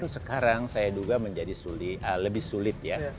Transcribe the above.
sekarang saya duga menjadi lebih sulit ya